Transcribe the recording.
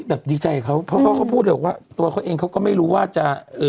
แบบดีใจเขาเพราะเขาพูดแบบว่าตัวเองเขาก็ไม่รู้ว่าจะ